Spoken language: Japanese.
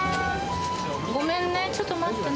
ごめんね、ちょっと待ってね。